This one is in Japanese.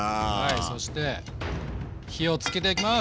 そして火をつけていきます！